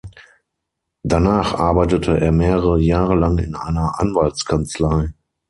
Danach arbeitete er mehrere Jahre lang in einer Anwaltskanzlei.